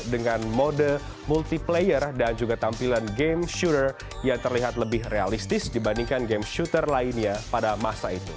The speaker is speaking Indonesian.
dengan mode multiplayer dan juga tampilan game shooter yang terlihat lebih realistis dibandingkan game shooter lainnya pada masa itu